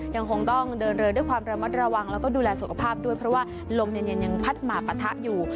ยังคงต้องเดินเรือด้วยความระมัดระวังแล้วก็ดูแลสุขภาพด้วยเพราะว่าลมเย็นยังพัดหมาปะทะอยู่